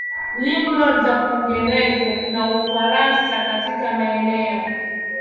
lindwa za Uingereza na Ufaransa Katika maeneo